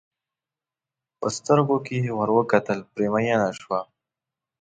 په سترګو کې یې ور کتل پرې مینه شوه.